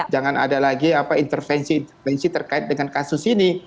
jangan ada lagi intervensi intervensi terkait dengan kasus ini